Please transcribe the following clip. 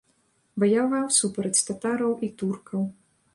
Ваяваў супраць татараў і туркаў.